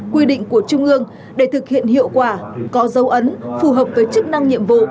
quy định của trung ương để thực hiện hiệu quả có dấu ấn phù hợp với chức năng nhiệm vụ